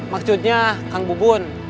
maksudnya kang bubun